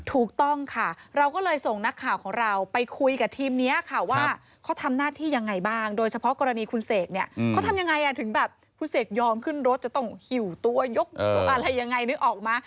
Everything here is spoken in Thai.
ถูกต้องค่ะเราก็เลยส่งนักข่าวของเราไปคุยกับทีมนี้ค่ะว่าเขาทำหน้าที่ยังไงบ้างโดยเฉพาะกรณีคุณเสกเนี่ยเขาทำยังไงถึงแบบคุณเสกยอมขึ้นรถจะต้องหิวตัวยกตัวอะไรยังไงนึกออกมา